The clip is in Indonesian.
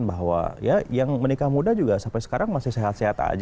bahwa ya yang menikah muda juga sampai sekarang masih sehat sehat aja